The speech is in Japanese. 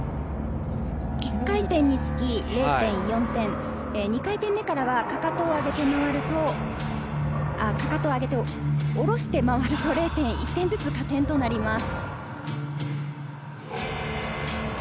１回転につき０．４点、２回転目からはかかとをあげて回るとかかとを上げて下ろして回ると１点ずつ加点となります。